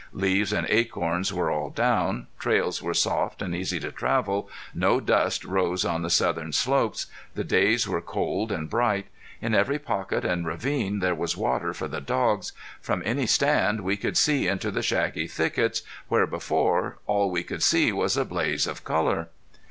Leaves and acorns were all down; trails were soft and easy to travel; no dust rose on the southern slopes; the days were cold and bright; in every pocket and ravine there was water for the dogs; from any stand we could see into the shaggy thickets where before all we could see was a blaze of color.